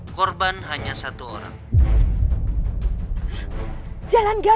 ada beberapa orang yang menangkapnya